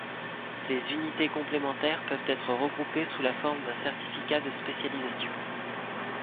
Ces unités complémentaires peuvent être regroupées sous la forme d'un certificat de spécialisation.